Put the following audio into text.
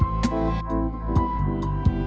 begitulah ini adalah karyawannya